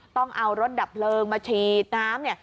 ต้องเอารถดับเปลืองมาฉีดน้ำ